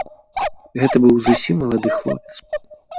Гэта быў зусім малады хлопец.